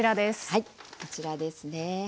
はいこちらですね。